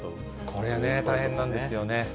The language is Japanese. これはね、大変なんですよね。